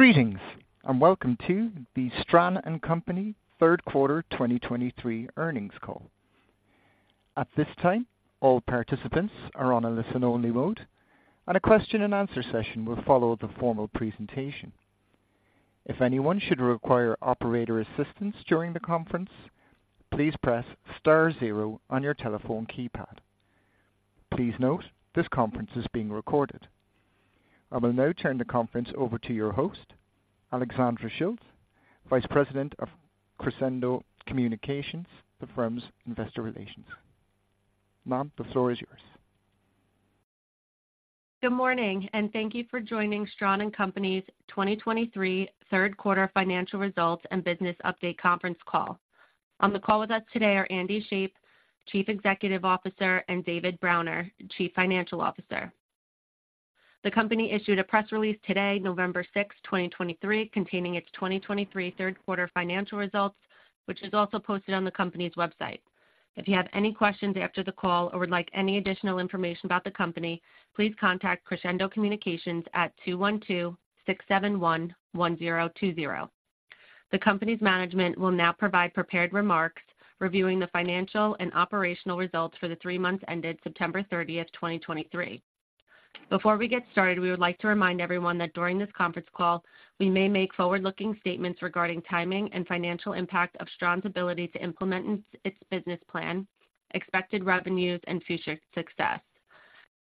Greetings, and welcome to the Stran & Company third quarter 2023 earnings call. At this time, all participants are on a listen-only mode, and a question-and-answer session will follow the formal presentation. If anyone should require operator assistance during the conference, please press star zero on your telephone keypad. Please note, this conference is being recorded. I will now turn the conference over to your host, Alexandra Schilt, Vice President of Crescendo Communications, the firm's investor relations. Ma'am, the floor is yours. Good morning, and thank you for joining Stran & Company's 2023 third quarter financial results and business update conference call. On the call with us today are Andy Shape, Chief Executive Officer, and David Browner, Chief Financial Officer. The company issued a press release today, November 6, 2023, containing its 2023 third quarter financial results, which is also posted on the company's website. If you have any questions after the call or would like any additional information about the company, please contact Crescendo Communications at 212-671-1020. The company's management will now provide prepared remarks reviewing the financial and operational results for the three months ended September 30, 2023. Before we get started, we would like to remind everyone that during this conference call, we may make forward-looking statements regarding timing and financial impact of Stran & Company's ability to implement its business plan, expected revenues, and future success.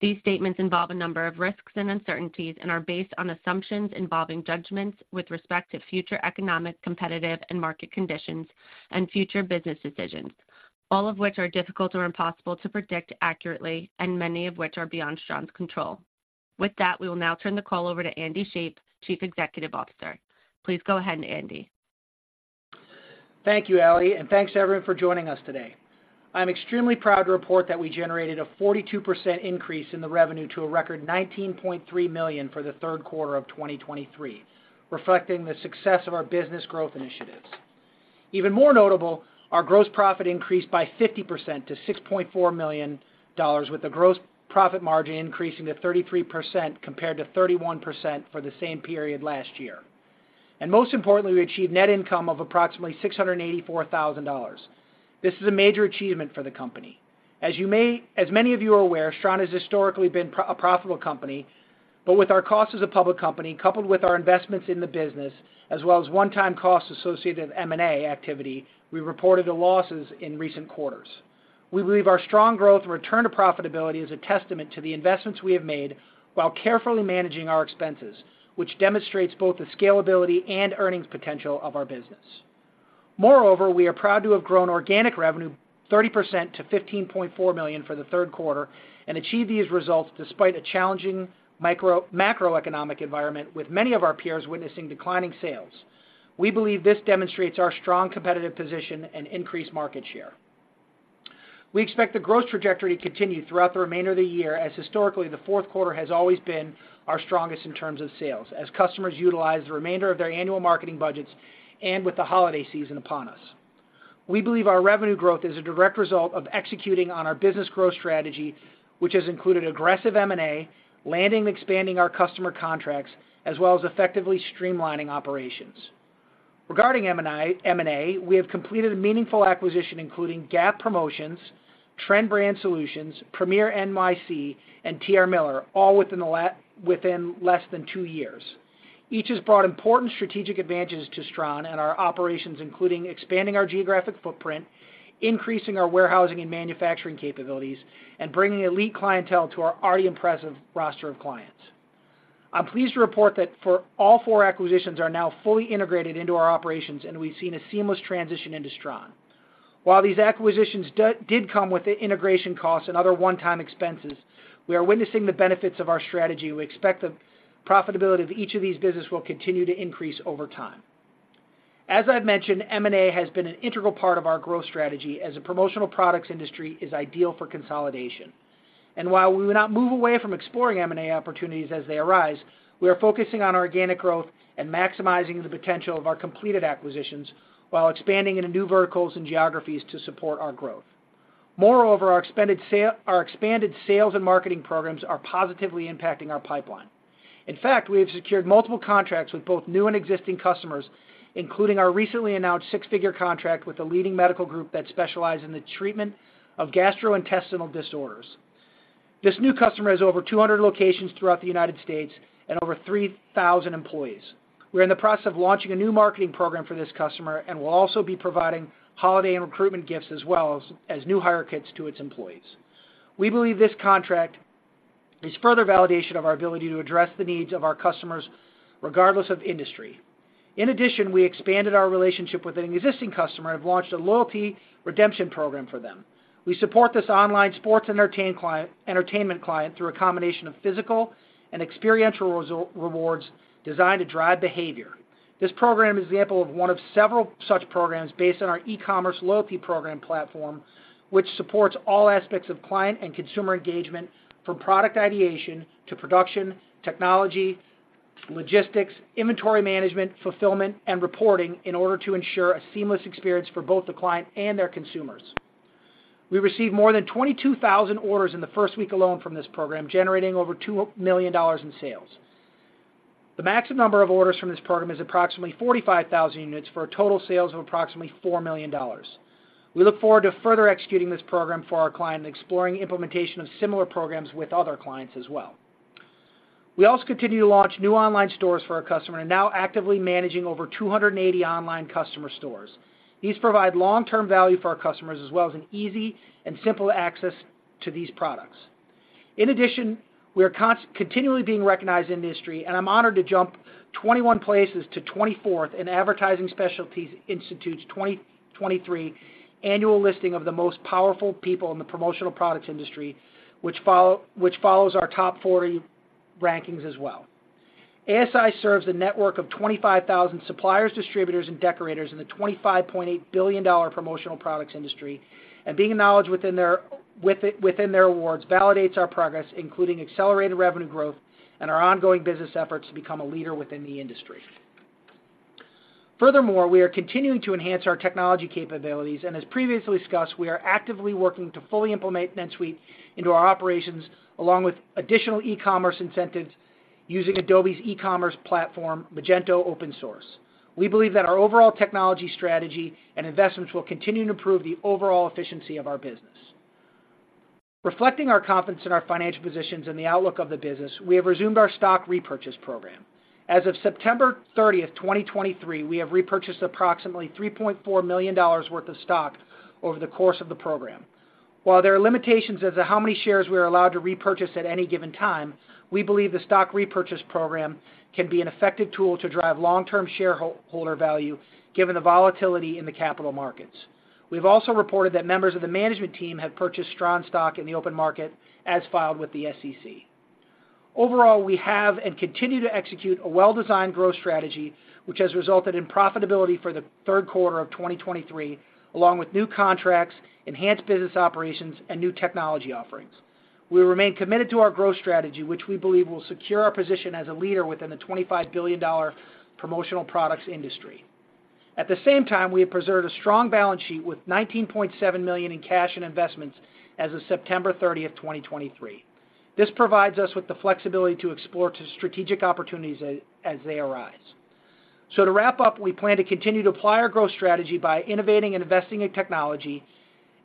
These statements involve a number of risks and uncertainties and are based on assumptions involving judgments with respect to future economic, competitive, and market conditions and future business decisions, all of which are difficult or impossible to predict accurately and many of which are beyond Stran & Company's control. With that, we will now turn the call over to Andy Shape, Chief Executive Officer. Please go ahead, Andy. Thank you, Allie, and thanks to everyone for joining us today. I'm extremely proud to report that we generated a 42% increase in the revenue to a record $19.3 million for the third quarter of 2023, reflecting the success of our business growth initiatives. Even more notable, our gross profit increased by 50% to $6.4 million, with the gross profit margin increasing to 33%, compared to 31% for the same period last year. Most importantly, we achieved net income of approximately $684,000. This is a major achievement for the company. As you may—as many of you are aware, Stran has historically been pro... A profitable company, but with our cost as a public company, coupled with our investments in the business, as well as one-time costs associated with M&A activity, we reported the losses in recent quarters. We believe our strong growth and return to profitability is a testament to the investments we have made while carefully managing our expenses, which demonstrates both the scalability and earnings potential of our business. Moreover, we are proud to have grown organic revenue 30% to $15.4 million for the third quarter and achieve these results despite a challenging macroeconomic environment, with many of our peers witnessing declining sales. We believe this demonstrates our strong competitive position and increased market share. We expect the growth trajectory to continue throughout the remainder of the year, as historically, the fourth quarter has always been our strongest in terms of sales, as customers utilize the remainder of their annual marketing budgets and with the holiday season upon us. We believe our revenue growth is a direct result of executing on our business growth strategy, which has included aggressive M&A, landing and expanding our customer contracts, as well as effectively streamlining operations. Regarding M&A, we have completed a meaningful acquisition, including GAP Promotions, Trend Brand Solutions, Premier NYC, and T.R. Miller, all within less than two years. Each has brought important strategic advantages to Stran and our operations, including expanding our geographic footprint, increasing our warehousing and manufacturing capabilities, and bringing elite clientele to our already impressive roster of clients. I'm pleased to report that for all four acquisitions are now fully integrated into our operations, and we've seen a seamless transition into Stran. While these acquisitions did come with the integration costs and other one-time expenses, we are witnessing the benefits of our strategy. We expect the profitability of each of these businesses will continue to increase over time. As I've mentioned, M&A has been an integral part of our growth strategy, as the promotional products industry is ideal for consolidation. And while we will not move away from exploring M&A opportunities as they arise, we are focusing on organic growth and maximizing the potential of our completed acquisitions while expanding into new verticals and geographies to support our growth. Moreover, our expanded sales and marketing programs are positively impacting our pipeline. In fact, we have secured multiple contracts with both new and existing customers, including our recently announced six-figure contract with a leading medical group that specializes in the treatment of gastrointestinal disorders. This new customer has over 200 locations throughout the United States and over 3,000 employees. We're in the process of launching a new marketing program for this customer and will also be providing holiday and recruitment gifts, as well as new hire kits to its employees. We believe this contract is further validation of our ability to address the needs of our customers, regardless of industry. In addition, we expanded our relationship with an existing customer and have launched a loyalty redemption program for them. We support this online sports entertainment client through a combination of physical and experiential rewards designed to drive behavior. This program is an example of one of several such programs based on our e-commerce loyalty program platform, which supports all aspects of client and consumer engagement, from product ideation to production, technology, logistics, inventory management, fulfillment, and reporting in order to ensure a seamless experience for both the client and their consumers. We received more than 22,000 orders in the first week alone from this program, generating over $2 million in sales. The maximum number of orders from this program is approximately 45,000 units, for a total sales of approximately $4 million. We look forward to further executing this program for our client and exploring implementation of similar programs with other clients as well. We also continue to launch new online stores for our customer and now actively managing over 280 online customer stores. These provide long-term value for our customers, as well as an easy and simple access to these products. In addition, we are continually being recognized in the industry, and I'm honored to jump 21 places to 24th in Advertising Specialty Institute's 2023 annual listing of the Most Powerful People in the Promotional Products Industry, which follows our Top 40 rankings as well. ASI serves a network of 25,000 suppliers, distributors, and decorators in the $25.8 billion promotional products industry, and being acknowledged within their awards validates our progress, including accelerated revenue growth and our ongoing business efforts to become a leader within the industry. Furthermore, we are continuing to enhance our technology capabilities, and as previously discussed, we are actively working to fully implement NetSuite into our operations, along with additional e-commerce incentives using Adobe's e-commerce platform, Magento Open Source. We believe that our overall technology strategy and investments will continue to improve the overall efficiency of our business. Reflecting our confidence in our financial positions and the outlook of the business, we have resumed our stock repurchase program. As of September 30, 2023, we have repurchased approximately $3.4 million worth of stock over the course of the program. While there are limitations as to how many shares we are allowed to repurchase at any given time, we believe the stock repurchase program can be an effective tool to drive long-term shareholder value, given the volatility in the capital markets. We've also reported that members of the management team have purchased Stran stock in the open market as filed with the SEC. Overall, we have and continue to execute a well-designed growth strategy, which has resulted in profitability for the third quarter of 2023, along with new contracts, enhanced business operations, and new technology offerings. We remain committed to our growth strategy, which we believe will secure our position as a leader within the $25 billion promotional products industry. At the same time, we have preserved a strong balance sheet with $19.7 million in cash and investments as of September 30, 2023. This provides us with the flexibility to explore two strategic opportunities as they arise. So to wrap up, we plan to continue to apply our growth strategy by innovating and investing in technology,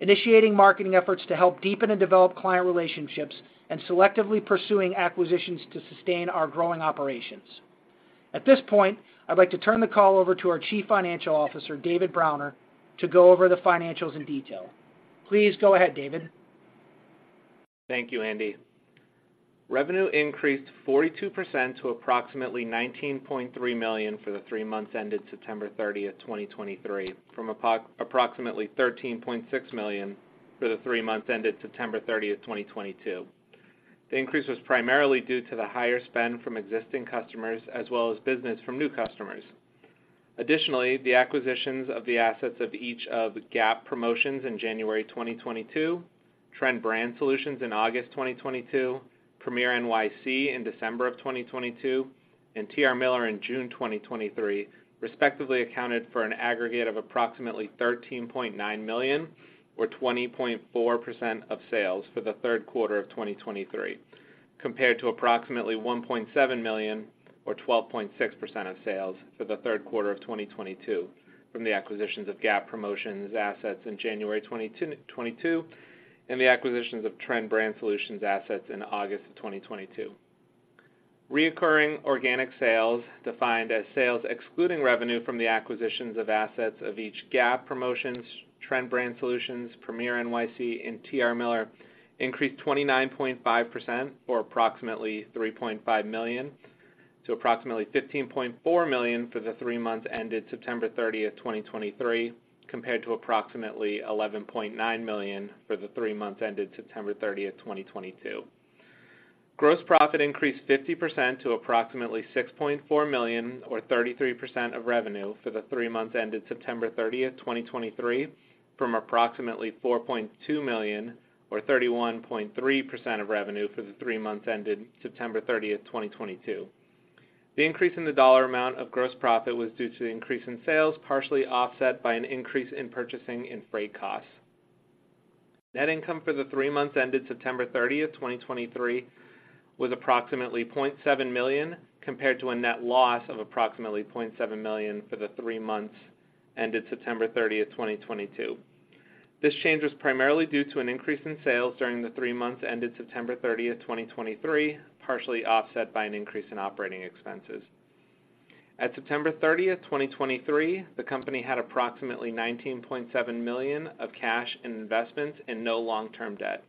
initiating marketing efforts to help deepen and develop client relationships, and selectively pursuing acquisitions to sustain our growing operations. At this point, I'd like to turn the call over to our Chief Financial Officer, David Browner, to go over the financials in detail. Please go ahead, David. Thank you, Andy. Revenue increased 42% to approximately $19.3 million for the three months ended September 30, 2023, from approximately $13.6 million for the three months ended September 30, 2022. The increase was primarily due to the higher spend from existing customers, as well as business from new customers. Additionally, the acquisitions of the assets of each of GAP Promotions in January 2022, Trend Brand Solutions in August 2022, Premier NYC in December of 2022, and T.R. Miller in June 2023, respectively, accounted for an aggregate of approximately $13.9 million, or 20.4% of sales for the third quarter of 2023, compared to approximately $1.7 million, or 12.6% of sales for the third quarter of 2022 from the acquisitions of GAP Promotions' assets in January 2022, and the acquisitions of Trend Brand Solutions' assets in August of 2022. Recurring organic sales, defined as sales excluding revenue from the acquisitions of assets of each GAP Promotions, Trend Brand Solutions, Premier NYC, and T.R. Miller, increased 29.5% or approximately $3.5 million to approximately $15.4 million for the three months ended September thirtieth, 2023, compared to approximately $11.9 million for the three months ended September thirtieth, 2022. Gross profit increased 50% to approximately $6.4 million, or 33% of revenue, for the three months ended September 30, 2023, from approximately $4.2 million, or 31.3% of revenue, for the three months ended September 30, 2022. The increase in the dollar amount of gross profit was due to the increase in sales, partially offset by an increase in purchasing and freight costs. Net income for the three months ended September 30, 2023, was approximately $0.7 million, compared to a net loss of approximately $0.7 million for the three months ended September 30, 2022. This change was primarily due to an increase in sales during the three months ended September 30, 2023, partially offset by an increase in operating expenses. At September 30, 2023, the company had approximately $19.7 million of cash and investments and no long-term debt.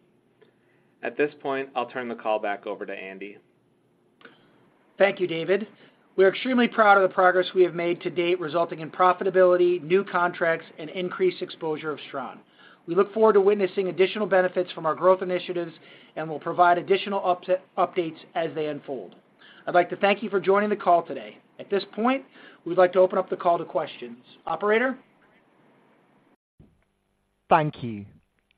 At this point, I'll turn the call back over to Andy. Thank you, David. We are extremely proud of the progress we have made to date, resulting in profitability, new contracts, and increased exposure of Stran. We look forward to witnessing additional benefits from our growth initiatives, and we'll provide additional updates as they unfold. I'd like to thank you for joining the call today. At this point, we'd like to open up the call to questions. Operator? Thank you.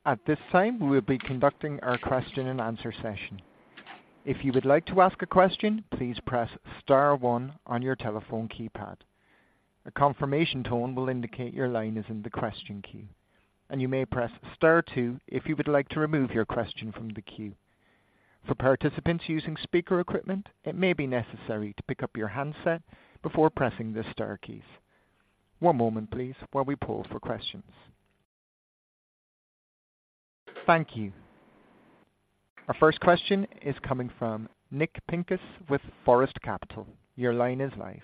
At this time, we will be conducting our question-and-answer session. If you would like to ask a question, please press star one on your telephone keypad. A confirmation tone will indicate your line is in the question queue, and you may press star two if you would like to remove your question from the queue. For participants using speaker equipment, it may be necessary to pick up your handset before pressing the star keys. One moment, please, while we pull for questions. Thank you. Our first question is coming from Nick Pincus with Forest Capital. Your line is live.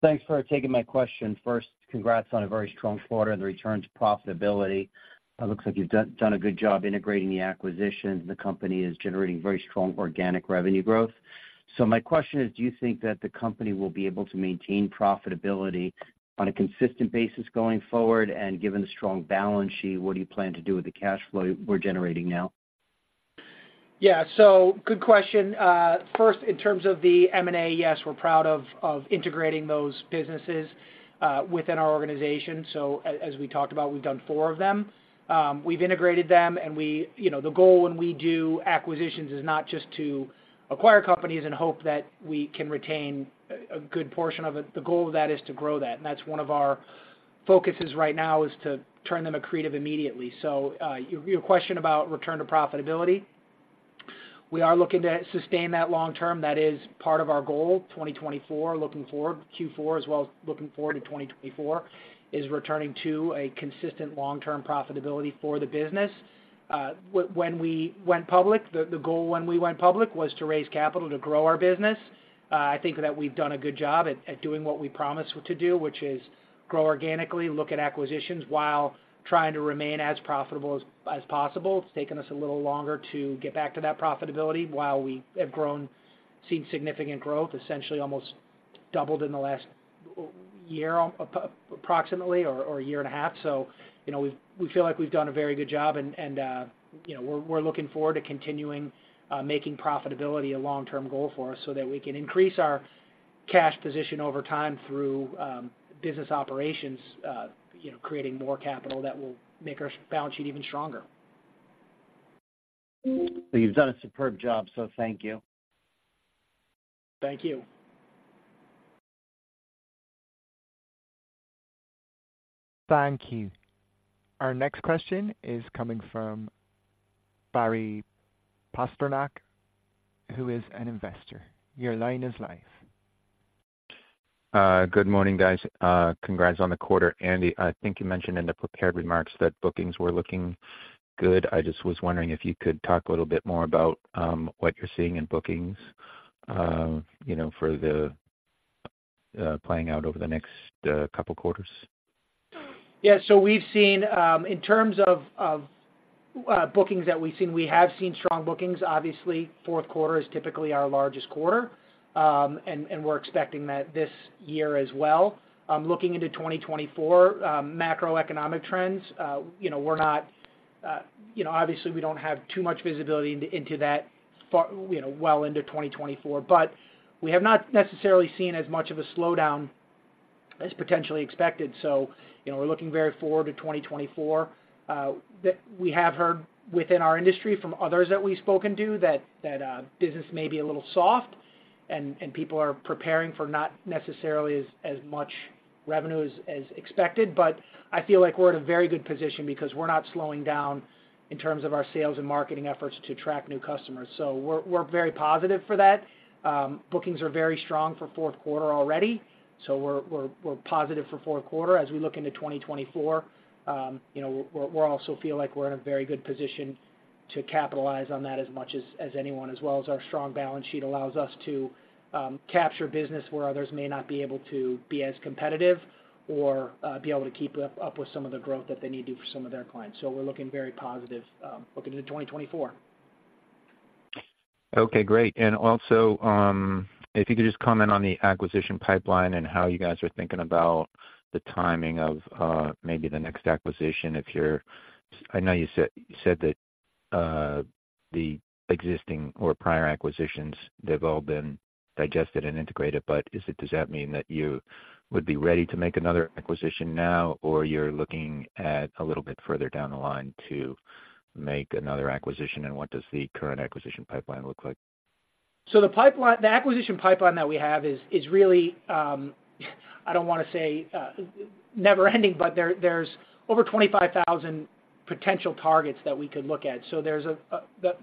Thanks for taking my question. First, congrats on a very strong quarter and the return to profitability. It looks like you've done a good job integrating the acquisitions. The company is generating very strong organic revenue growth. So my question is: do you think that the company will be able to maintain profitability on a consistent basis going forward? And given the strong balance sheet, what do you plan to do with the cash flow you were generating now? Yeah. So good question. First, in terms of the M&A, yes, we're proud of integrating those businesses within our organization. So as we talked about, we've done four of them. We've integrated them, and you know, the goal when we do acquisitions is not just to acquire companies and hope that we can retain a good portion of it. The goal of that is to grow that, and that's one of our focuses right now is to turn them accretive immediately. So your question about return to profitability, we are looking to sustain that long term. That is part of our goal, 2024, looking forward. Q4, as well as looking forward to 2024, is returning to a consistent long-term profitability for the business. When we went public, the goal when we went public was to raise capital to grow our business. I think that we've done a good job at doing what we promised to do, which is grow organically, look at acquisitions while trying to remain as profitable as possible. It's taken us a little longer to get back to that profitability while we have grown, seen significant growth, essentially almost doubled in the last year, approximately, or a year and a half. So you know, we feel like we've done a very good job, and you know, we're looking forward to continuing making profitability a long-term goal for us so that we can increase our cash position over time through business operations, you know, creating more capital that will make our balance sheet even stronger. Well, you've done a superb job, so thank you. Thank you. Thank you. Our next question is coming from Barry Posternak, who is an investor. Your line is live. Good morning, guys. Congrats on the quarter. Andy, I think you mentioned in the prepared remarks that bookings were looking good. I just was wondering if you could talk a little bit more about what you're seeing in bookings, you know, for the playing out over the next couple quarters. Yeah. So we've seen in terms of bookings that we've seen, we have seen strong bookings. Obviously, fourth quarter is typically our largest quarter. And we're expecting that this year as well. Looking into 2024, macroeconomic trends, you know, we're not, you know, obviously, we don't have too much visibility into that far, you know, well into 2024, but we have not necessarily seen as much of a slowdown as potentially expected. So, you know, we're looking very forward to 2024. That we have heard within our industry from others that we've spoken to, that business may be a little soft and people are preparing for not necessarily as much revenue as expected. But I feel like we're in a very good position because we're not slowing down in terms of our sales and marketing efforts to track new customers. So we're very positive for that. Bookings are very strong for fourth quarter already, so we're positive for fourth quarter. As we look into 2024, you know, we also feel like we're in a very good position to capitalize on that as much as anyone, as well as our strong balance sheet allows us to capture business where others may not be able to be as competitive or be able to keep up with some of the growth that they need to do for some of their clients. So we're looking very positive, looking into 2024. Okay, great. And also, if you could just comment on the acquisition pipeline and how you guys are thinking about the timing of, maybe the next acquisition. If you're, I know you said, you said that, the existing or prior acquisitions, they've all been digested and integrated, but is it, does that mean that you would be ready to make another acquisition now, or you're looking at a little bit further down the line to make another acquisition? And what does the current acquisition pipeline look like? So the pipeline. The acquisition pipeline that we have is really. I don't wanna say never ending, but there's over 25,000 potential targets that we could look at. So the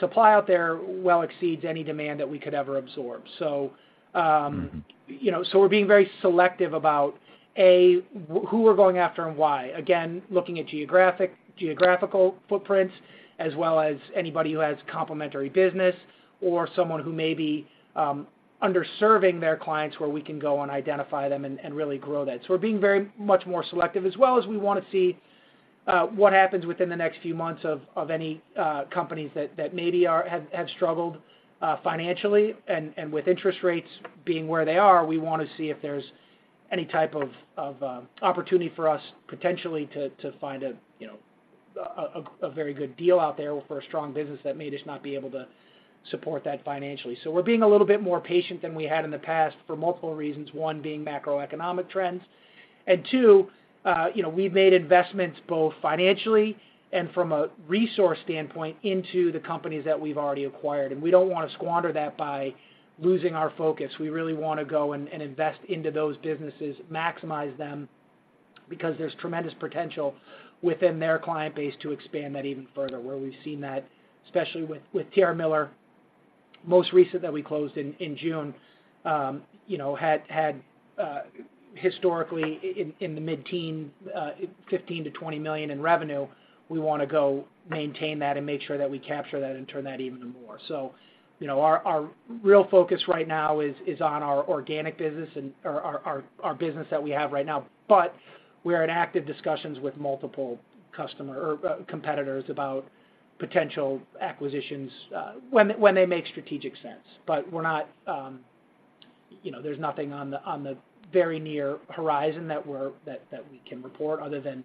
supply out there well exceeds any demand that we could ever absorb. So, you know, we're being very selective about A, who we're going after and why. Again, looking at geographic footprints, as well as anybody who has complementary business or someone who may be underserving their clients, where we can go and identify them and really grow that. So we're being very much more selective, as well as we want to see what happens within the next few months of any companies that maybe have struggled financially. With interest rates being where they are, we want to see if there's any type of opportunity for us potentially to find a, you know, a very good deal out there for a strong business that may just not be able to support that financially. So we're being a little bit more patient than we had in the past for multiple reasons. One, being macroeconomic trends, and two, you know, we've made investments, both financially and from a resource standpoint, into the companies that we've already acquired, and we don't wanna squander that by losing our focus. We really wanna go and invest into those businesses, maximize them, because there's tremendous potential within their client base to expand that even further. Where we've seen that, especially with TR Miller, most recent that we closed in June, you know, had historically in the mid-teens $15-$20 million in revenue. We wanna go maintain that and make sure that we capture that and turn that even more. So, you know, our real focus right now is on our organic business and or our business that we have right now. But we are in active discussions with multiple customers or competitors about potential acquisitions when they make strategic sense. But we're not, you know, there's nothing on the very near horizon that we can report other than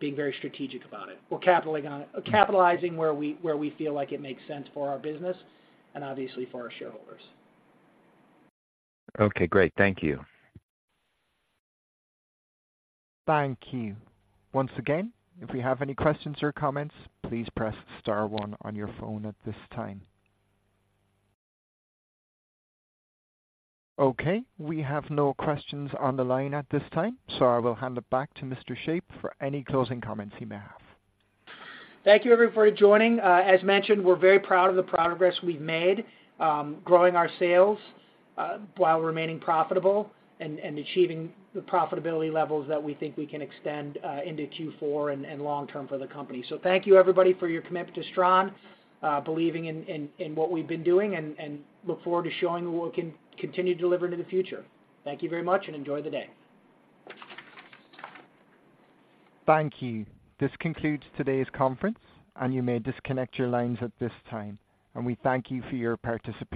being very strategic about it. We're capitalizing on it - capitalizing where we, where we feel like it makes sense for our business and obviously for our shareholders. Okay, great. Thank you. Thank you. Once again, if you have any questions or comments, please press star one on your phone at this time. Okay, we have no questions on the line at this time, so I will hand it back to Mr. Shape for any closing comments he may have. Thank you, everyone, for joining. As mentioned, we're very proud of the progress we've made, growing our sales, while remaining profitable and achieving the profitability levels that we think we can extend into Q4 and long term for the company. So thank you, everybody, for your commitment to Stran, believing in what we've been doing and look forward to showing what we can continue to deliver into the future. Thank you very much, and enjoy the day. Thank you. This concludes today's conference, and you may disconnect your lines at this time, and we thank you for your participation.